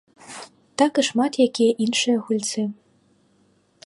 Так і шмат якія іншыя гульцы.